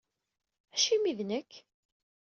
Acimi d nekk?